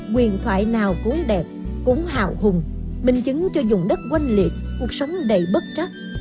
quyền thoại nào cũng đẹp cũng hào hùng minh chứng cho vùng đất quanh liệt cuộc sống đầy bất trắc